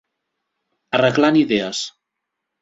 Arreglant idees.